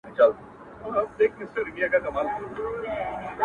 o ځوان ناست دی ـ